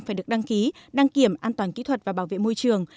phải được đăng ký đăng kiểm an toàn kỹ thuật và bảo vệ môi trường